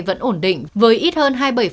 vẫn ổn định với ít hơn hai mươi bảy